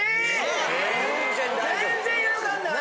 全然違和感ない。